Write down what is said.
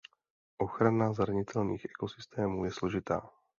Ochrana zranitelných ekosystémů je složitá.